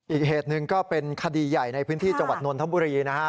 อีกเหตุหนึ่งก็เป็นคดีใหญ่ในพื้นที่จังหวัดนนทบุรีนะฮะ